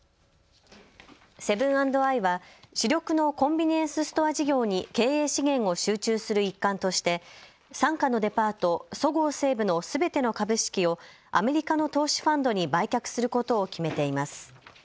セブン＆アイは主力のコンビニエンスストア事業に経営資源を集中する一環として傘下のデパート、そごう・西武のすべての株式をアメリカの投資ファンドに売却することを決めています。